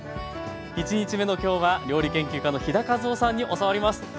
１日目の今日は料理研究家の飛田和緒さんに教わります。